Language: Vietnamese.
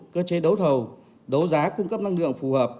cơ chế đấu thầu đấu giá cung cấp năng lượng phù hợp